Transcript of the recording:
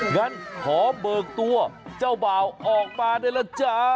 งั้นขอเบิกตัวเจ้าบ่าวออกมาได้แล้วจ้า